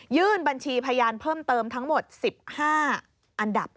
บัญชีพยานเพิ่มเติมทั้งหมด๑๕อันดับ